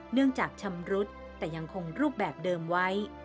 จากชำรุดแต่ยังคงรูปแบบเดิมไว้